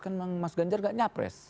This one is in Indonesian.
kan memang mas ganjar gak nyapres